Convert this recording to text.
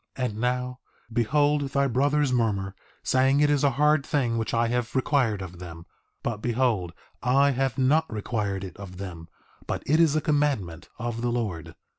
3:5 And now, behold thy brothers murmur, saying it is a hard thing which I have required of them; but behold I have not required it of them, but it is a commandment of the Lord.